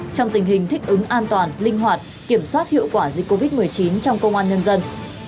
trong tình hình thích ứng an toàn linh hoạt kiểm soát hiệu quả dịch covid một mươi chín trong công an nhân dân